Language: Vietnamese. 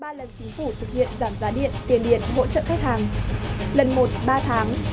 ngoại truyện tiền điện hỗ trợ khách hàng